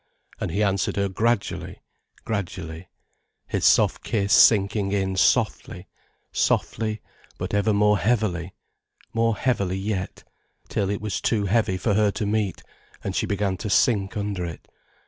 And he answered her gradually, gradually, his soft kiss sinking in softly, softly, but ever more heavily, more heavily yet, till it was too heavy for her to meet, and she began to sink under it.